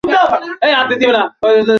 আরে, অশোক।